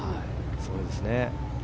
すごいですね。